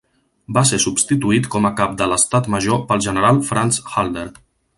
Va ser substituït com a cap de l'Estat Major pel general Franz Halder.